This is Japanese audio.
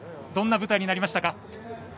どんな舞台になりましたか。